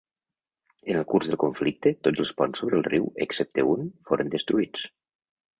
En el curs del conflicte tots els ponts sobre el riu, excepte un, foren destruïts.